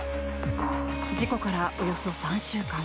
事故からおよそ３週間。